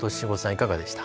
いかがでした？